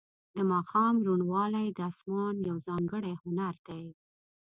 د ماښام روڼوالی د اسمان یو ځانګړی هنر دی.